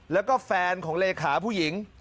แล้วก็แฟนของเลขาผู้หญิง